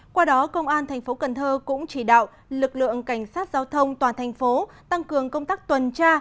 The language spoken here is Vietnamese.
qua đó công an tp cnh cũng chỉ đạo lực lượng cảnh sát giao thông toàn thành phố tăng cường công tác tuần tra